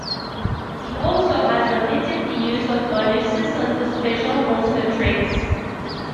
It also has omitted the use of bonuses on the special "Monster Tricks".